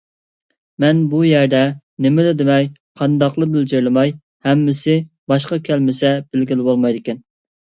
مەن بۇ يەردە نېمىلا دېمەي، قانداقلا بىلجىرلىماي، ھەممىسى باشقا كەلمىسە بىلگىلى بولمايدىكەن.